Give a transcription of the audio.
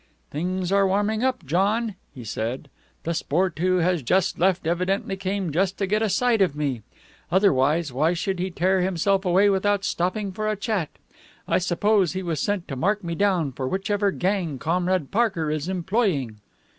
"Things are warming up, John," he said. "The sport who has just left evidently came just to get a sight of me. Otherwise, why should he tear himself away without stopping for a chat. I suppose he was sent to mark me down for whichever gang Comrade Parker is employing."